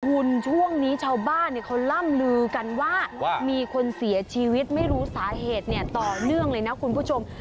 คุณช่วงนี้ชาวบ้านเขาล่ำลือกันว่ามีคนเสียชีวิตไม่รู้สาเหตุต่อเนื่องเลยนะคุณผู้ชม